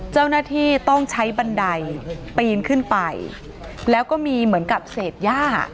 เจ้าหน้าที่ต้องใช้บันไดปีนขึ้นไปแล้วก็มีเหมือนกับเศษย่า